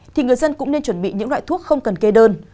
thì người dân cũng nên chuẩn bị những loại thuốc không cần kê đơn